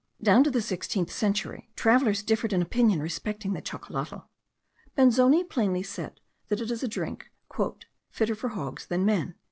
Down to the sixteenth century travellers differed in opinion respecting the chocolatl. Benzoni plainly says that it is a drink "fitter for hogs than men."